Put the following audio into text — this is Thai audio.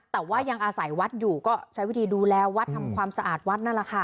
แต่ว่ายังอาศัยวัดอยู่ก็ใช้วิธีดูแลวัดทำความสะอาดวัดนั่นแหละค่ะ